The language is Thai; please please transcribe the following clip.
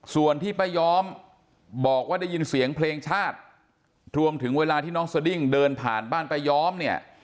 ส่วนที่ป้าย้อมบอกว่าได้ยินเสียงเพลงชาติรวมถึงเวลาที่น้องสดิ้งเดินผ่านบ้านป้าย้อมเนี่ย